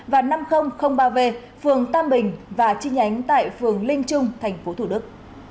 và năm nghìn ba v phường tam bình và chi nhánh tại phường linh trung tp thủ đức